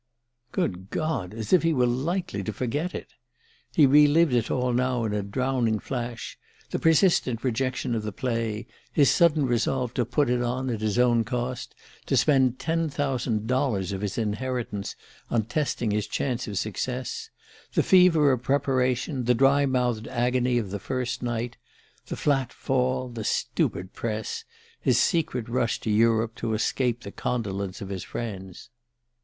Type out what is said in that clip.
'_" Good God as if he were likely to forget it! He re lived it all now in a drowning flash: the persistent rejection of the play, his sudden resolve to put it on at his own cost, to spend ten thousand dollars of his inheritance on testing his chance of success the fever of preparation, the dry mouthed agony of the "first night," the flat fall, the stupid press, his secret rush to Europe to escape the condolence of his friends!